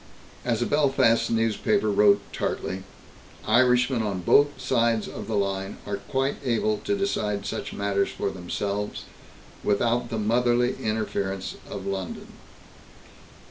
As a Belfast newspaper wrote tartly: "Irishmen on both sides of the line are quite able to decide such matters for themselves, without the motherly interference of London."